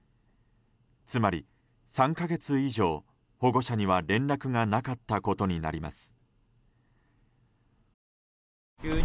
つまり、３か月以上保護者には連絡がなかったことになります。